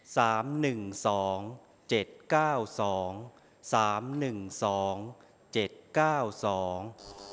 หนึ่งสองเจ็ดเก้าสองสามหนึ่งสองเจ็ดเก้าสอง